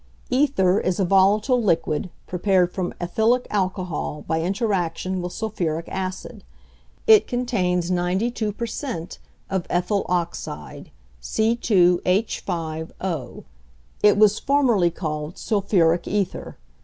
=Ether= is a volatile liquid prepared from ethylic alcohol by interaction with sulphuric acid. It contains 92 per cent. of ethyl oxide (C_H_)O. It was formerly called 'sulphuric ether.'